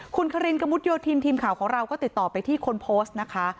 คุณคารินกระมุดโยธินทีมข่าวของเราก็ติดต่อไปที่คนโพสต์นะคะ